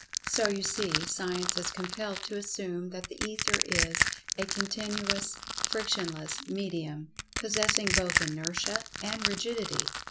So, you see, Science is compelled to assume that the Ether is "a continuous, Frictionless medium, possessing both Inertia and Rigidity."